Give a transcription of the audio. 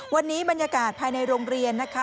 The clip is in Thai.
วันนี้บรรยากาศภายในโรงเรียนนะคะ